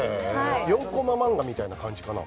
４コマ漫画みたいな感じかな？